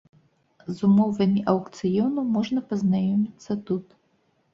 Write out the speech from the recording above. З умовамі аўкцыёну можна пазнаёміцца тут.